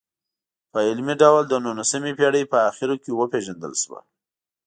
په علمي ډول د نولسمې پېړۍ په اخرو کې وپېژندل شوه.